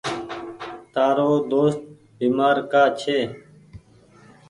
تآرو دوست بيمآر ڪآ ڇي۔